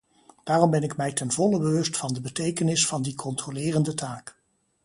Daarom ben ik mij ten volle bewust van de betekenis van die controlerende taak.